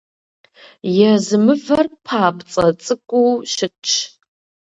Езы мывэр папцӀэ цӀыкӀуу щытщ.